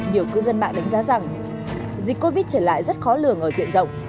nhiều cư dân mạng đánh giá rằng dịch covid trở lại rất khó lường ở diện rộng